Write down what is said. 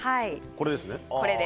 これです。